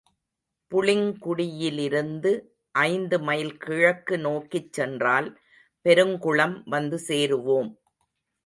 புளிங்குடியிலிருந்து ஐந்து மைல் கிழக்கு நோக்கிச் சென்றால் பெருங்குளம் வந்து சேருவோம்.